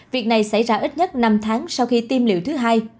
việc này xảy ra ít nhất năm tháng sau khi tiêm liệu thứ hai